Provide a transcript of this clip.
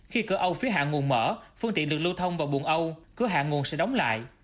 khi cửa âu phía hạ nguồn mở phương tiện được lưu thông vào buồn âu cửa hạng nguồn sẽ đóng lại